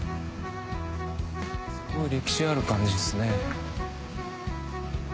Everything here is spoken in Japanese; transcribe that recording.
すごい歴史ある感じっすね。